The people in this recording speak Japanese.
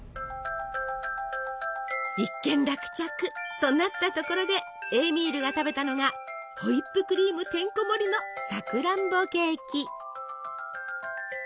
一件落着となったところでエーミールが食べたのがホイップクリームてんこもりのさくらんぼケーキ！